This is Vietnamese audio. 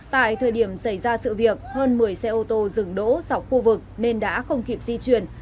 tại thời điểm xảy ra sự việc hơn một mươi xe ô tô dừng đỗ dọc khu vực nên đã không kịp di chuyển